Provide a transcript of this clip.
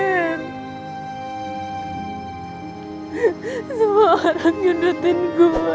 semua orang yang ngedetin gue